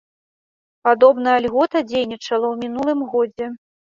Падобная льгота дзейнічала ў мінулым годзе.